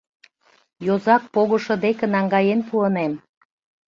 Йозак погышо деке наҥгаен пуынем.